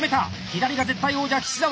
左が絶対王者岸澤。